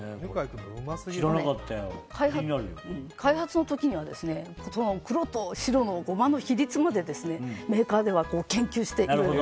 開発の時には黒と白のゴマの比率までメーカーでは研究して、いろいろ。